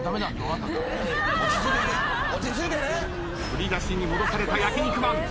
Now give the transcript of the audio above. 振り出しに戻された焼肉マン。